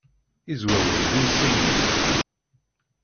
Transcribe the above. Izwawen d inselmen.